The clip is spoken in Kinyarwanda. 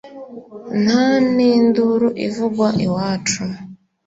nta n’induru ikivugwa iwacu